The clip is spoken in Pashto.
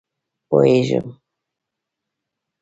_پوهېږم.